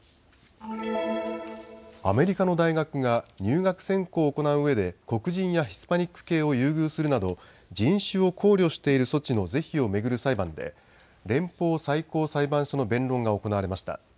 アメリカの大学が入学選考を行ううえで黒人やヒスパニック系を優遇するなど人種を考慮している措置の是非を巡る裁判で連邦最高裁判所の弁論が行われました。